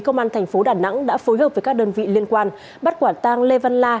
công an thành phố đà nẵng đã phối hợp với các đơn vị liên quan bắt quả tang lê văn la